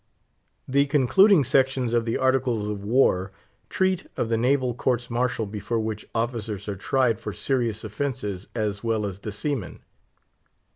The concluding sections of the Articles of War treat of the naval courts martial before which officers are tried for serious offences as well as the seamen.